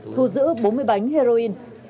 thu giữ bốn mươi bánh heroin